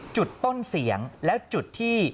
จุดต้นเสียงแล้วจุดที่